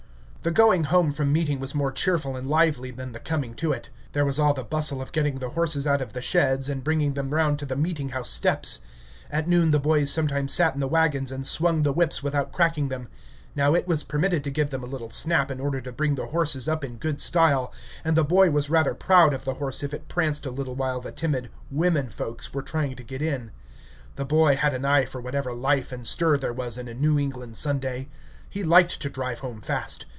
The going home from meeting was more cheerful and lively than the coming to it. There was all the bustle of getting the horses out of the sheds and bringing them round to the meeting house steps. At noon the boys sometimes sat in the wagons and swung the whips without cracking them: now it was permitted to give them a little snap in order to bring the horses up in good style; and the boy was rather proud of the horse if it pranced a little while the timid "women folks" were trying to get in. The boy had an eye for whatever life and stir there was in a New England Sunday. He liked to drive home fast.